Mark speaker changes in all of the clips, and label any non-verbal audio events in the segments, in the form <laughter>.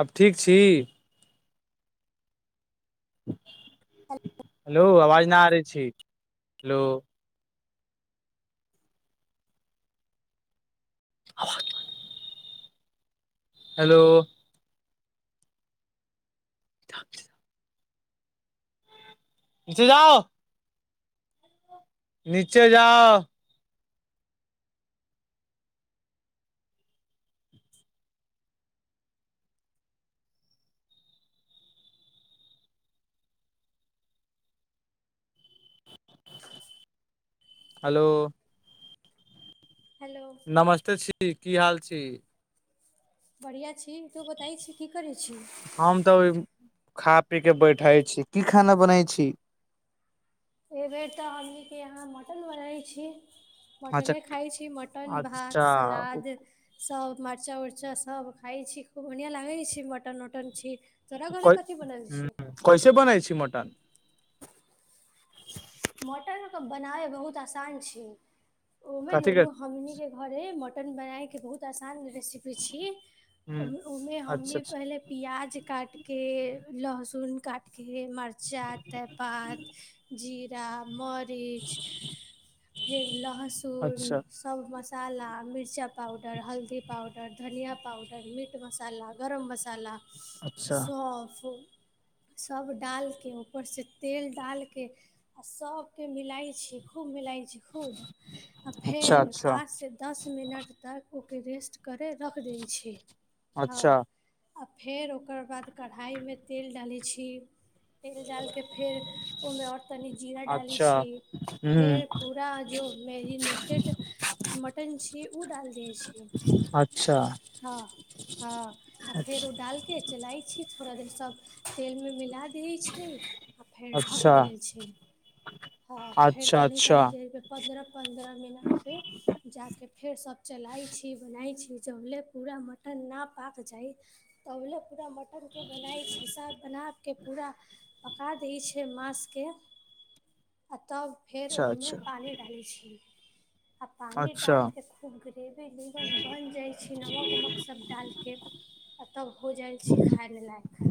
Speaker 1: आब ठीक छी हेलो आवाज न आ रहै छी हेलो <unintelligible> हेलो <unintelligible> पिछे जाउ नीचे जाउ
Speaker 2: <inaudible>
Speaker 1: हेलो
Speaker 2: हेलो
Speaker 1: नमस्ते छी की हाल छी
Speaker 2: बढ़िआँ छी तू बताइ छी की करै छी
Speaker 1: हम तऽ खा पी क बैठे छी की खाना बनै छी
Speaker 2: एहि बेेर तऽ हमनी के यहाँ मटन बनाै छी
Speaker 1: अच्छा
Speaker 2: मटने खाइ छी मटन
Speaker 1: अच्छा
Speaker 2: भात सलाद सब मरचा उर्चा सब खाइ छी खूब बढ़िआँ लागै छै मटन उटन छी तोरा घरे
Speaker 1: क
Speaker 2: कथी बनल
Speaker 1: ह
Speaker 2: छी
Speaker 1: कैसे बनाय छी मटन
Speaker 2: मटनके बनाइ बहुत आसान छी
Speaker 1: कथी
Speaker 2: ओमेनु हमनी
Speaker 1: कथी
Speaker 2: के घरे मटन बनाय के बहुत आसान बझै रेसिपी छी
Speaker 1: ह
Speaker 2: ओहिमे
Speaker 1: अच्छा
Speaker 2: हमनी पहिले प्याज काटके लहसुन काटके मरचा तैपात जीरा मर रीच लहसुन
Speaker 1: अच्छा
Speaker 2: सब मसाला मिरचा पाउडर हल्दी पाउडर धनिया पाउडर मीट मसाला गरम मसाला
Speaker 1: अच्छा
Speaker 2: सॉफ सब डालके ऊपरसे तेल डालके आ सब के मिलाय छी खूब मिलाय छी खूब आ
Speaker 1: अच्छा
Speaker 2: फेर
Speaker 1: अच्छा
Speaker 2: पाँच से दस मिनट तक ओकर रेस्ट करै रख दै छी हँ
Speaker 1: अच्छा
Speaker 2: आ फेर ओकर बाद कढ़ाइमे तेल डालै‌ छी तेल डाल कऽ फेर ओहिमे तनी जीरा डालै
Speaker 1: अच्छा
Speaker 2: छी
Speaker 1: ह
Speaker 2: फेर पूरा जो मैरिनेटेड मटन छी जे ऊ डालि दै छी
Speaker 1: अच्छा
Speaker 2: हँ हँ आ फेर
Speaker 1: अच्छा
Speaker 2: ओ डालके चलाइ छी पूरा दिन सभ तेलमे मिला दिही छै आ फेर ढक
Speaker 1: अच्छा
Speaker 2: देल छै ह फेर
Speaker 1: अच्छा
Speaker 2: तनी
Speaker 1: अच्छा
Speaker 2: तनि देर पन्द्रह पन्द्रह मिनट पे जाके फेर सब चलाइ छी बनै छी चले पूरा मटन ना पाक जाइ तबल पूरा मटन के बनाय छिसा बना के पूरा पका दै छै माँसके आ तब फेर
Speaker 1: अच्छा
Speaker 2: ओहिमे
Speaker 1: अच्छा
Speaker 2: पानि डालै छी आ पानी
Speaker 1: अच्छा
Speaker 2: डाल के खूब ग्रेवी निमन बन जाय छै नमक उमक सब डालिके आ तब हो जाइ छी खायमे लायक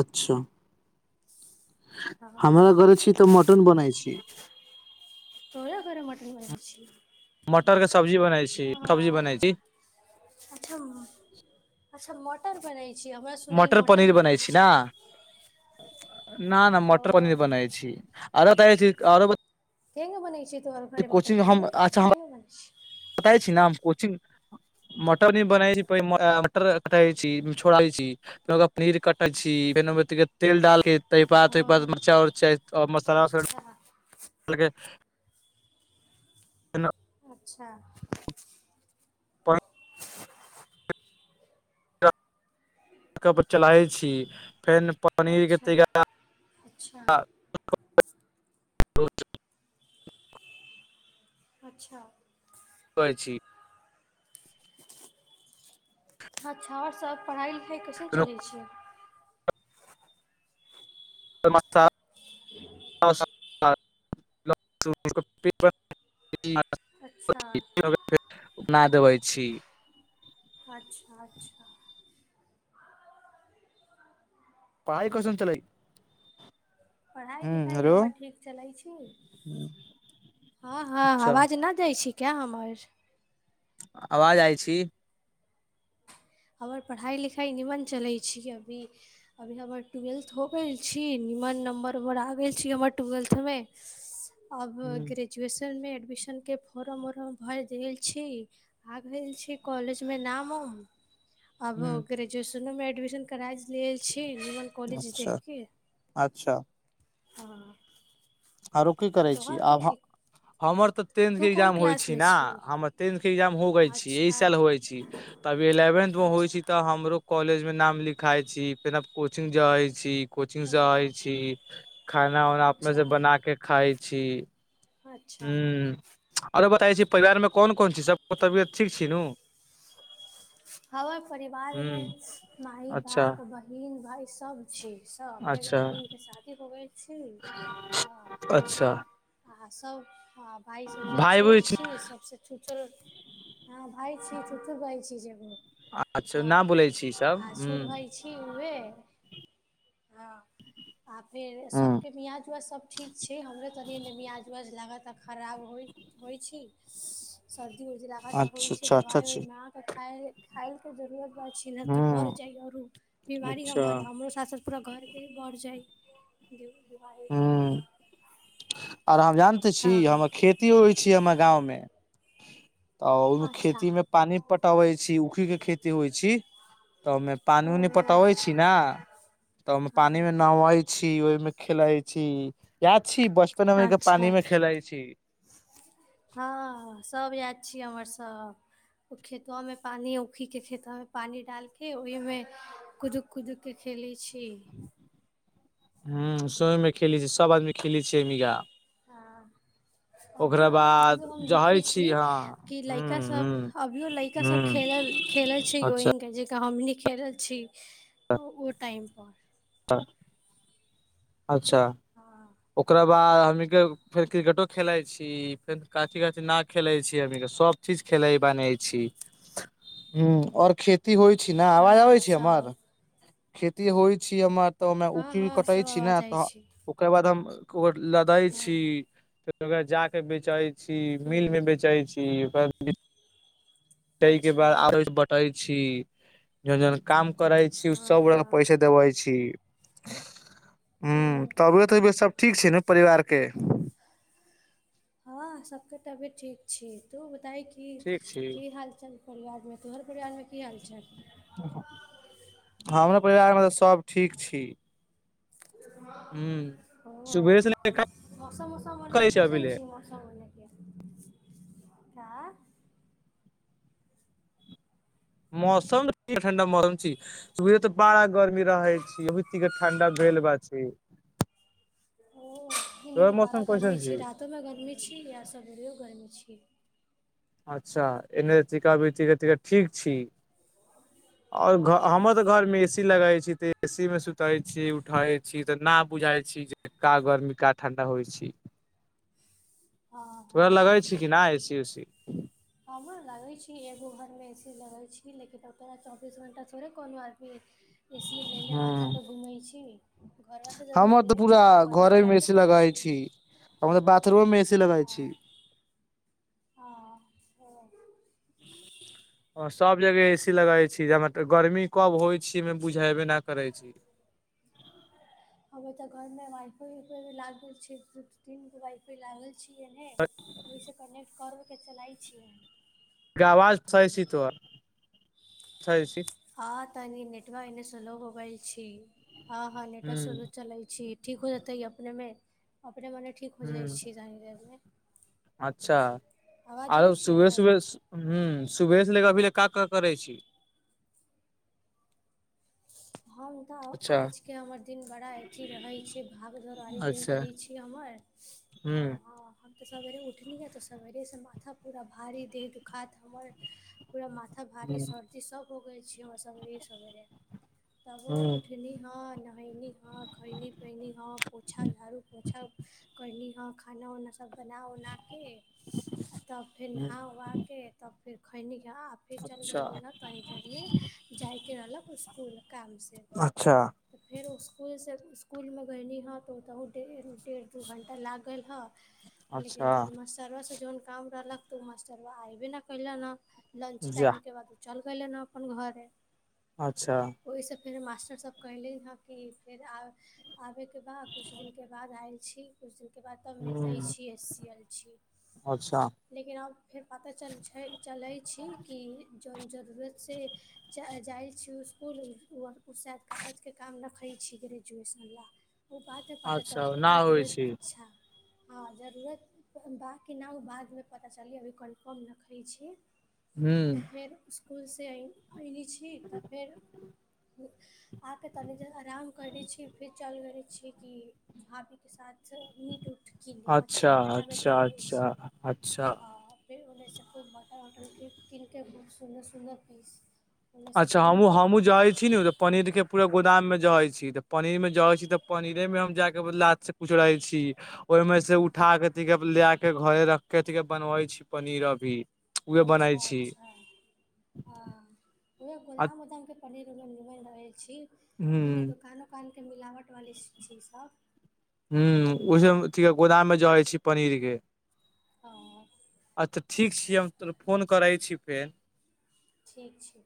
Speaker 1: अच्छा
Speaker 2: हँ
Speaker 1: हमरा घरे छी तऽ मटन बनाइ छी
Speaker 2: तोरे घरे मटन बनै छी
Speaker 1: मटर के सब्जी बनाई छी सब्जी
Speaker 2: हँ
Speaker 1: बनाई छी
Speaker 2: अच्छा अच्छा मटन बनै छी हमरा सुनायल
Speaker 1: मटर पनीर
Speaker 2: मटन
Speaker 1: बनाय
Speaker 2: बनै
Speaker 1: छी ना
Speaker 2: छै
Speaker 1: ना ना मटर पनीर बनै छी आरो तै छी आरो
Speaker 2: तेंगु बनै छी तोहर घरे मटर पनीर तेंगु बनै छी
Speaker 1: बताई छी नाम कोचिंग मटर न बनाय छी मटर कटाइ छी छोड़ाबै छी पनीर क फे तेल डालके तादाद
Speaker 2: हँ
Speaker 1: मरचा उरचा मसाला उस
Speaker 2: अच्छा
Speaker 1: अलके त
Speaker 2: अच्छा
Speaker 1: प
Speaker 2: <unintelligible>
Speaker 1: <unintelligible> चलाई छी फेर पनीरके
Speaker 2: अच्छा अच्छा
Speaker 1: तटीका <unintelligible>
Speaker 2: अच्छा
Speaker 1: कहै छी
Speaker 2: अच्छा आओर सब पढ़ाई लिखाई कैसेन
Speaker 1: फेनो
Speaker 2: चलै छिय
Speaker 1: <unintelligible> <unintelligible>
Speaker 2: अच्छा
Speaker 1: <unintelligible> उना देबै छी
Speaker 2: अच्छा अच्छा
Speaker 1: पाय कोसम चलइ
Speaker 2: पढ़ाइ लिखाइ हमर ठीक चलै छी हँ हँ
Speaker 1: अच्छा
Speaker 2: आवाज नइ जाय छीकै हमर
Speaker 1: आवाज आइ छी
Speaker 2: हमर पढ़ाई लिखाई नीमन चलै छी अभी अभी हमर टुवेल्थ हो गेल छी नीमन नम्बर बरा आवी गेल छी हमर तुवेल्थ म सैन देता आब
Speaker 1: हूँ
Speaker 2: ग्रैजुवे मे एडमिशनके के फॉर्म वरम भैर देल छी आ गेल छी कॉलेजमे नाम उम अब
Speaker 1: हूँ
Speaker 2: ग्रेजुएशनो मे एडमिशन करा लेल छी की निमण कॉलेज
Speaker 1: अच्छा
Speaker 2: देखके
Speaker 1: अच्छा
Speaker 2: हँ
Speaker 1: आरो की करै छी
Speaker 2: तोहर
Speaker 1: आब
Speaker 2: कथी
Speaker 1: हम हमर तेंठ के
Speaker 2: तू कोन
Speaker 1: एगजाम होई छि
Speaker 2: क्लासमे
Speaker 1: ना
Speaker 2: छी
Speaker 1: हम टेंठ के एगजाम हो गेल छी ई
Speaker 2: अच्छा
Speaker 1: साल होई छि त अभी एले टेन्थ मे होइ छी
Speaker 2: अच्छा
Speaker 1: तऽ हमरो कॉलेज मे नाम लिखाइ छी फेना कोचिंग जाइ छी कोचिंगसँ आइ
Speaker 2: ओ
Speaker 1: छी खाना उाना अपने सब
Speaker 2: अच्छा
Speaker 1: खाइ छी
Speaker 2: अच्छा
Speaker 1: ह आरो बताउ छी परिवार मे कोन कोन चीज सब तबियत ठीक छी नू
Speaker 2: हमर परिवार मे माय
Speaker 1: अच्छा
Speaker 2: बाप बहिन भाय सब छी सब ए
Speaker 1: अच्छा
Speaker 2: बहिन के शादी होब छी
Speaker 1: अच्छा
Speaker 2: आ सब ह भाई सबसे
Speaker 1: भाय
Speaker 2: छोट
Speaker 1: बहिन
Speaker 2: छी सबसे छोट चल हँ भाय छी छ भाइ छी जे
Speaker 1: अच्छा नहि बोलै छी सभ
Speaker 2: आ छोट
Speaker 1: ह्म्म
Speaker 2: भाय छी उहे हँ आ फेर
Speaker 1: हूँ
Speaker 2: सबके मियज उआज सब ठीक छै हमरो तनि ने मिआाज उआाज लागत आ खराब होइत होइ छी सब हो छै लगातार होइ
Speaker 1: अच्छा
Speaker 2: छै
Speaker 1: अच्छा अच्छा
Speaker 2: दवाइ
Speaker 1: छी
Speaker 2: होइमे आके खायल के जरूरत भ तऽ बढ़
Speaker 1: हूँ
Speaker 2: जाइ आर बीमारी
Speaker 1: अच्छा
Speaker 2: हमर हमरो साथ साथ पूरा घरकेँ बढ़ जाइ द्व द्वआ एक
Speaker 1: हूं आर हम जानते छी
Speaker 2: हँ
Speaker 1: हमर खेतीयो होइ छै हमर गाँवमे त ओ
Speaker 2: अच्छा
Speaker 1: खेती मे पानी पटाबे जी ओखी के खेती होइ छी तऽ ओहिमे पानी उनी
Speaker 2: ओहो
Speaker 1: पटबै छी ने तऽ पानी
Speaker 2: हँ
Speaker 1: मे न ह छी ओहिमे खेलइ छी याद छी बचपन मे पानी
Speaker 2: अच्छा
Speaker 1: मे खेलइ छी
Speaker 2: हँ सभ याद छियै हमरसभ ओ खेतबा मे पानी ओखीक खेतबा मे पानी डाल के ओहिमे कुदुक कुदुक के निल छी
Speaker 1: हुँ समे खेलै छी सभ आदमी खेलैत छियैमिक
Speaker 2: अभिय हम अभियो हम देखै छी
Speaker 1: हँ
Speaker 2: कि
Speaker 1: हूँ
Speaker 2: लड़का
Speaker 1: हूँ
Speaker 2: सब अभियो लड़का सब
Speaker 1: हूँ
Speaker 2: खेल खेले छै
Speaker 1: अच्छा
Speaker 2: ओहिंग के जेका हमनिक खेलल छी उ उ टाइम पर
Speaker 1: अच्छा
Speaker 2: हँ
Speaker 1: ओकरा बाद हमी के फेर क्रिकेटो खेलइ छी फेर काची काची ना खेले छी हमी सब चीज खेलै बै छी आओर खेत खेती होइ छी ने आवाज आबै
Speaker 2: हँ
Speaker 1: छी हमर
Speaker 2: सब
Speaker 1: खेती होइ छी हमर तऽमे उ
Speaker 2: हँ हँ
Speaker 1: कटै
Speaker 2: सब
Speaker 1: छी ने
Speaker 2: आवाज जाइ
Speaker 1: तऽ
Speaker 2: छी
Speaker 1: ओकर बाद हम लदइ छी फेर ओकरा जा कऽ बेचै छी मिलमे
Speaker 2: हूँ
Speaker 1: बेचै छी ओकररा ताहि के
Speaker 2: अच्छा
Speaker 1: बाद आरो बटै छी जन जन काम करै छी ओ
Speaker 2: हँ हँ
Speaker 1: सभगोरेक पैसे देबै छी हूं
Speaker 2: ओ
Speaker 1: तबियत अबियतसभ ठीक छै ने परिवारके
Speaker 2: हँ सबके तबियत ठीक छी तू बताह कि
Speaker 1: ठीक छी
Speaker 2: की हाल चाल परिवारमे तोहर परिवारमे की हालचाल
Speaker 1: परिवारमे तऽ सब ठीक छी हुं
Speaker 2: ओ
Speaker 1: सुबहे से ले क
Speaker 2: मौसम उसम ओने
Speaker 1: करै अभी
Speaker 2: कैसन
Speaker 1: ले
Speaker 2: छी मौसम ओने का <inaudible>
Speaker 1: मौसम ठंडा मौसम छी सुबहै तऽ ब गर्मी रहे छी अभी ती ठंडा भेल बा छै
Speaker 2: ओ नहि
Speaker 1: तोहर
Speaker 2: तऽ बड़ा
Speaker 1: मौसम
Speaker 2: गर्मी
Speaker 1: कैसन
Speaker 2: छी रातोमे गर्मी छी या सबेरो गर्मी छी
Speaker 1: अच्छा एन्ने टीका बी ठीक छी आओर घ
Speaker 2: हँ
Speaker 1: हमर तऽ घर मे ए सी लगे छी ते ए सी मे सुतै छी उठैत छी तऽ नहि बुझइ छी जे का गर्मी का ठण्डा होइ छै <inaudible>
Speaker 2: हँ
Speaker 1: तोहरा
Speaker 2: हँ
Speaker 1: लगै छी कि नै ए सी वे सी
Speaker 2: हमरा लगै छी एगो घरमे ए सी लगै छी लेकिन ओकरा चौबीस घण्टा थोड़े कोनो आदमी ए सी लेले आथा
Speaker 1: ह
Speaker 2: पर घूमै छी घरसँ जब
Speaker 1: हमर तऽ
Speaker 2: निकलै छी
Speaker 1: पूरा
Speaker 2: गर्मी
Speaker 1: घरे
Speaker 2: तऽ
Speaker 1: मे ए
Speaker 2: लागबे
Speaker 1: सी
Speaker 2: करै
Speaker 1: लगै छी हम तऽ बाथरूम मे ए सी चिलवइ
Speaker 2: हँ
Speaker 1: छी <inaudible>
Speaker 2: हँ
Speaker 1: ह <inaudible> हँ सभ जगह ए सी लगई छी हैजे गर्मी कब होइ छीमे बुझेबे न करै छी ह
Speaker 2: हमे तऽ घरमे वाई फाई लागल छै दूू तीन गो वाई फाई लागल छै छियनि हे ओहिसँ कनेक्ट करबैके चलाइ छियै
Speaker 1: आवाज सहई छी तो सह छी
Speaker 2: हँ तनी नेटवर्क एन्ने स्लो हो गेल छी हँ हँ नेटवा स्लो
Speaker 1: ह्म
Speaker 2: चलै छी ठीक हो जेतै अपनेमे अपने मने ठीक हो जाइ
Speaker 1: ह्म
Speaker 2: छी धाइ रे धाइ
Speaker 1: अच्छा
Speaker 2: जाइ
Speaker 1: आरो
Speaker 2: छी
Speaker 1: सुबे
Speaker 2: हमर
Speaker 1: सुबे हू सुबेह से लेके अभी लऽ का का करै छी
Speaker 2: हम तऽ
Speaker 1: अच्छा
Speaker 2: आजके हमर दिन बड़ा अथी रहै छै भाग दौरवाली दिन
Speaker 1: अच्छा
Speaker 2: रहै छी हमर
Speaker 1: हूँ
Speaker 2: ह ह तऽ सवेरे उठलीय तऽ सवेरेसँ माथा पूरा भारी देह दुखायत हमर पूरा माथा भारी
Speaker 1: हूँ
Speaker 2: सर्दी सभ हो गेलै छै हमरा सबे सवेरे तबो
Speaker 1: हूँ
Speaker 2: उठनी हन खैनी हां खैनी पैनी हां पोछा झाड़ु पोछा कैली ह खाना उना तऽ बना उना केे आ तब फेर नहा उहाके तब फेर खैनी आ फेर जन
Speaker 1: अच्छा
Speaker 2: गैनी ह जाय के रहलक स्कूल कामसँ
Speaker 1: अच्छा
Speaker 2: तऽ फेर इसकुलसँ इसकुलमे गैली हँ तऽ ओतहु डेढ़ दू घण्टा लाग गैलही हऽ लेकिन
Speaker 1: अच्छा
Speaker 2: जन मटरबासँ जौन काम रहलक मास्टरबा अऐबे नैय कयलनि लंच
Speaker 1: जा
Speaker 2: टाइमके बाद ओ चल गैलेन अपन घरे
Speaker 1: अच्छा
Speaker 2: ओहिसँ फेर मास्टर सब कैले हँ कि फेर आबैके बाद किछु दिनके बाद आयल छी किछु दिनके बाद तब मिलतै
Speaker 1: हूँ
Speaker 2: C S C L C
Speaker 1: अच्छा
Speaker 2: लेकिन अब फेर पता चल छै चलै छी कि जौन जरूरत से जाइ छी उसकुल शायद कागजके काम रखै छी ग्रेजुएशन लए ओ बाद मे पता
Speaker 1: अच्छा
Speaker 2: चलतै
Speaker 1: ओना होइ छै
Speaker 2: जरूतछा हँ जरूरत बाकि न ओ बादमे पता चलै अभी कन्फर्म नहि करै छी
Speaker 1: हूँ
Speaker 2: फेर इसकुलसँ अयले छी तऽ फेर
Speaker 1: <inaudible>
Speaker 2: आके तनि ज आराम करै छी फिर चलि गेलै छी कि खा पिके साथ मीट उट कीन
Speaker 1: अच्छा
Speaker 2: मछली हटाबे
Speaker 1: अच्छा
Speaker 2: चल गेल
Speaker 1: अच्छा
Speaker 2: छी
Speaker 1: अच्छा
Speaker 2: ह अ किन के सुन सुन पीस ओन्नेसँ
Speaker 1: अच्छा
Speaker 2: कीन
Speaker 1: हमू
Speaker 2: कऽ
Speaker 1: हमूँ जाइ तऽ पनीर के पूरा गोदाम मे जहै छी तऽ पनीर मे जहै छी तऽ पनीरे मे हम जा जाके लाद स रहे छी ओहिमें से उठा के ले के घरे रख के बनवे छी पनीर अभी उहे बनै
Speaker 2: अच्छा
Speaker 1: छी
Speaker 2: अच्छा ह ओ
Speaker 1: आ
Speaker 2: गोदाम उदाम के पनीर रहल छी
Speaker 1: हूँ
Speaker 2: दुकान उकान के मिलावट वाली छी सब
Speaker 1: ओस गोदाममे जहै छी पनीर के
Speaker 2: हँ
Speaker 1: अच्छा ठीक छिय हम त फोन करै छी फेर
Speaker 2: ठीक छै